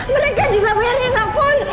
mereka juga berani ngapain